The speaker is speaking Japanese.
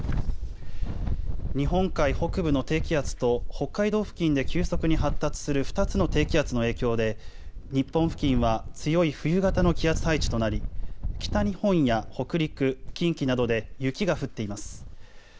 日本海北部の低気圧と北海道付近で急速に発達する２つの低気圧の影響で日本付近は強い冬型の気圧配置となり北日本や北陸、近畿などで雪が降っています。